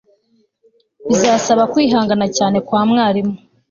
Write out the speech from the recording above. Bizasaba kwihangana cyane kwa mwarimu